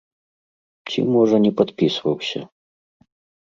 Ці, можа, не падпісваўся.